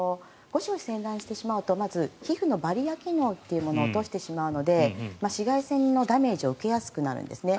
ゴシゴシ洗顔してしまうと皮膚のバリア機能を落としてしまうので紫外線のダメージを受けやすくなるんですね。